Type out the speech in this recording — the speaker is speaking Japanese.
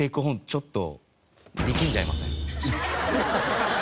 ちょっと力んじゃいません？